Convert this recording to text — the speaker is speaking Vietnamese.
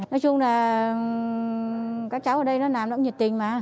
và các cháu ở đây nàm nó cũng nhiệt tình mà